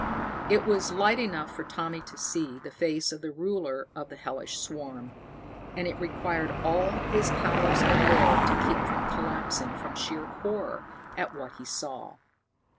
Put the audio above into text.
It was light enough for Tommy to see the face of the ruler of the hellish swarm. And it required all his powers of will to keep from collapsing from sheer horror at what he saw.